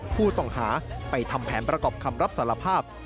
ผู้ต้องหาไปทำแผนประกอบคำรับสารภาพ